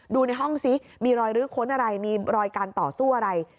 ดูในห้องซิมีรอยรื้อค้นอะไรมีรอยการต่อสู้อะไร